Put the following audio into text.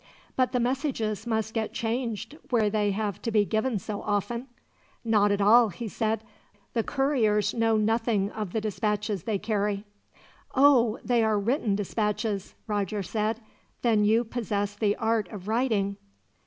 "But the messages must get changed, where they have to be given so often?" "Not at all," he said. "The couriers know nothing of the dispatches they carry." "Oh, they are written dispatches?" Roger said. "Then you possess the art of writing?"